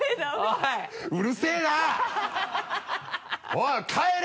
おい帰れ！